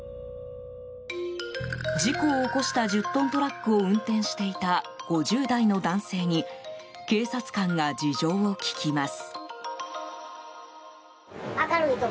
事故を起こした１０トントラックを運転していた５０代の男性に警察官が事情を聴きます。